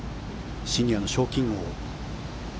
シニアの賞金王。